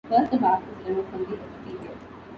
First the bark is removed from the exterior.